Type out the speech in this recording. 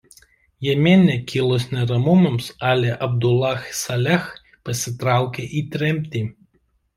Jemene kilus neramumams Ali Abdullah Saleh pasitraukė į tremtį.